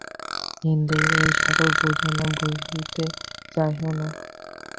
হিন্দু এই-সকল বুঝে না, বুঝিতে চাহেও না।